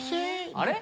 あれ？